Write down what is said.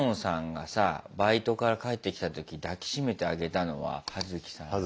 がさバイトから帰ってきた時抱き締めてあげたのはハヅキさん。